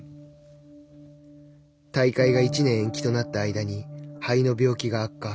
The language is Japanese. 大会が１年延期となった間に肺の病気が悪化。